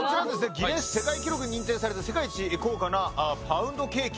ギネス世界記録に認定された世界一高価なパウンドケーキ。